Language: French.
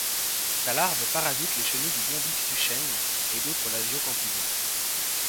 Sa larve parasite les chenilles du Bombyx du chêne et d'autres lasiocampidés.